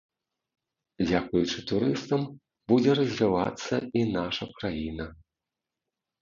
Дзякуючы турыстам будзе развівацца і наша краіна.